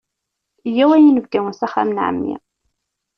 Yyaw a yinebgawen s axxam n ɛemmi!